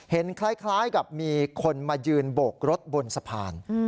คล้ายกับมีคนมายืนโบกรถบนสะพาน